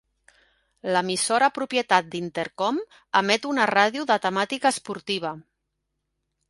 L'emissora propietat d'Entercom emet una ràdio de temàtica esportiva.